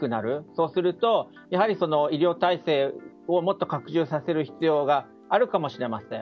そうすると医療体制をもっと拡充させる必要があるかもしれません。